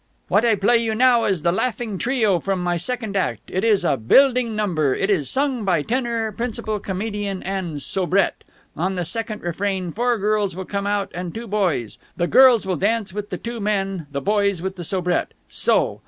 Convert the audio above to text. "What I play you now is the laughing trio from my second act. It is a building number. It is sung by tenor, principal comedian, and soubrette. On the second refrain four girls will come out and two boys. The girls will dance with the two men, the boys with the soubrette. So!